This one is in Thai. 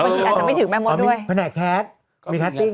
อ่าอ่ามีแผนะแคสมีแคตติ้ง